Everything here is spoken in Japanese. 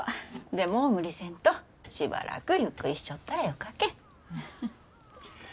でも無理せんとしばらくゆっくりしちょったらよかけん。